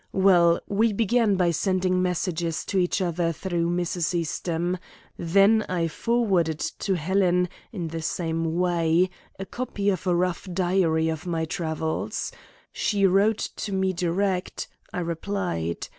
Well, we began by sending messages to each other through Mrs. Eastham. Then I forwarded to Helen, in the same way, a copy of a rough diary of my travels. She wrote to me direct; I replied.